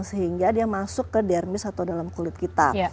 sehingga dia masuk ke dermis atau dalam kulit kita